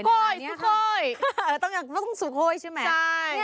สุโคยต้องสุโคยใช่ไหมใช่